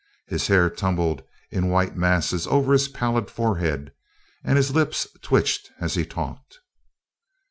His hair tumbled in white masses over his pallid forehead, and his lips twitched as he talked.